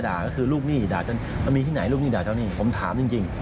ดาของนิดหน่อยเท่านี้ผมถามจริง